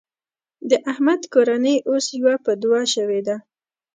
د احمد کورنۍ اوس يوه په دوه شوېده.